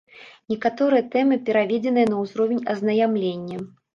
Некаторыя тэмы пераведзеныя на ўзровень азнаямлення.